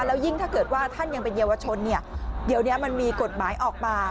แล้วยิ่งถ้าเกิดว่าท่านยังเป็นเยาวชนเนี่ยเดี๋ยวนี้มันมีกฎหมายออกมา